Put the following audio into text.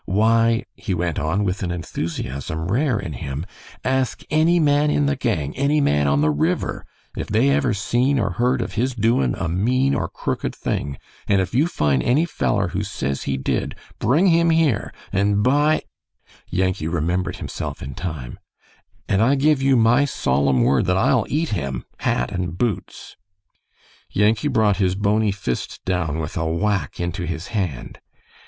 Why," he went on, with an enthusiasm rare in him, "ask any man in the gang, any man on the river, if they ever seen or heard of his doin' a mean or crooked thing, and if you find any feller who says he did, bring him here, and, by" Yankee remembered himself in time "and I give you my solemn word that I'll eat him, hat and boots." Yankee brought his bony fist down with a whack into his hand.